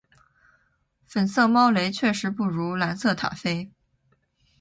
粉色猫雷确实不如蓝色塔菲